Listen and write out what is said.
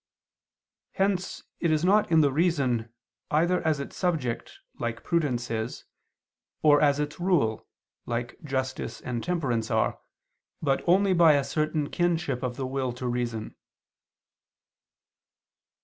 Hence it is not in the reason, either as its subject, like prudence is, or as its rule, like justice and temperance are, but only by a certain kinship of the will to the reason.